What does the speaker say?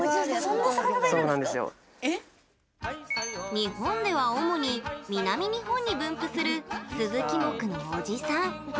日本では主に南日本に分布するスズキ目のオジサン。